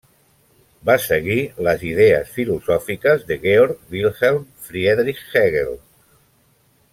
Va seguir les idees filosòfiques de Georg Wilhelm Friedrich Hegel.